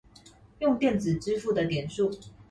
用電子支付的點數